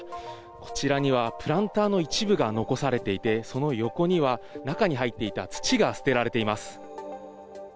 こちらにはプランターの一部が残されていて、その横には、中に入っていた土が捨てられています。